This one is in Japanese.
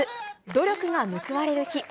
努力が報われる日。